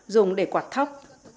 dùng để quạt thóc